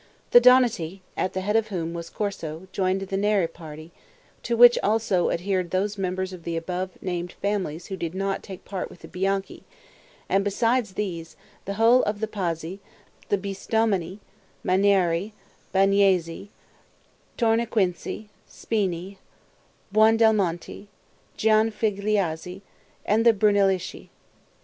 The Donati, at the head of whom was Corso, joined the Nera party, to which also adhered those members of the above named families who did not take part with the Bianchi; and besides these, the whole of the Pazzi, the Bisdomini, Manieri, Bagnesi, Tornaquinci, Spini, Buondelmonti, Gianfigliazzi, and the Brunelleschi.